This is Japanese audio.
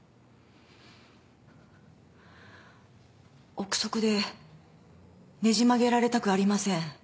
臆測でねじ曲げられたくありません。